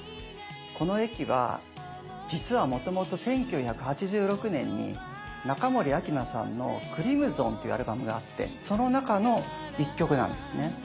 この「駅」は実はもともと１９８６年に中森明菜さんの「ＣＲＩＭＳＯＮ」っていうアルバムがあってその中の１曲なんですね。へ。